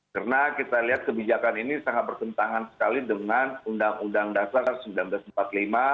karena kita lihat kebijakan ini sangat berkentangan sekali dengan undang undang dasar seribu sembilan ratus empat puluh lima